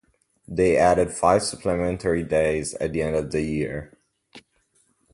They added five supplementary days at the end of the year.